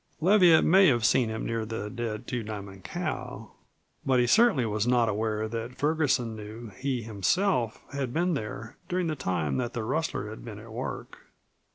Leviatt may have seen him near the dead Two Diamond cow, but he certainly was not aware that Ferguson knew he himself had been there during the time that the rustler had been at work.